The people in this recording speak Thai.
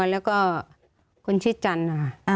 และก็คนชื่อจันทร์